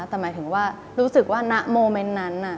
แต่หมายถึงว่ารู้สึกว่าณโมเมนต์นั้น